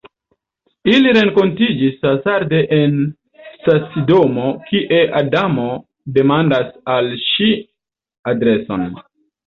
Ili renkontiĝis hazarde en stacidomo kie Adamo demandas al ŝi adreson.